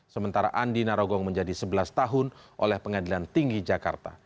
sementara andi narogong menjadi sebelas tahun oleh pengadilan tinggi jakarta